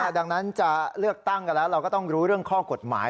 ดังนั้นจะเลือกตั้งกันแล้วเราก็ต้องรู้เรื่องข้อกฎหมาย